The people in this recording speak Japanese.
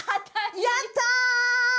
やった！